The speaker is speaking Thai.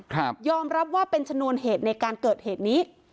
ยอมรับว่าเป็นชนวนเหตุในการเกิดเหตุนี้